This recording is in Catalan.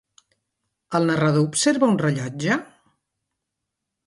El narrador observa un rellotge?